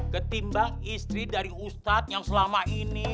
ketimbang istri dari ustadz yang selama ini